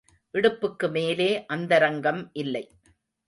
இடுப்புக்கு மேலே அந்தரங்கம் இல்லை.